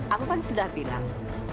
aku kan sudah bilang